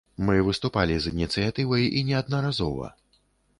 Мы выступалі з ініцыятывай і неаднаразова.